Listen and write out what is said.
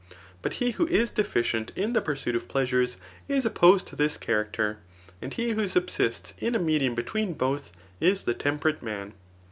But he who is deficient in the pursuit of pleasures, is opposed to this character; and he who subsists in a medium between both, is the temperate man.